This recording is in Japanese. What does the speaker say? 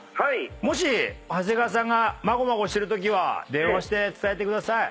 もし長谷川さんがまごまごしてるときは電話して伝えてください。